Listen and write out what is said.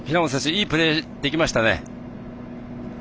いいプレーができましたね。